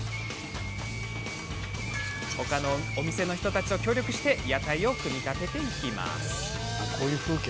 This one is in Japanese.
他のお店の人たちと協力して屋台を組み立てていきます。